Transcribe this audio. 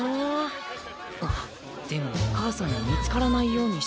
あでもお母さんに見つからないようにしないと。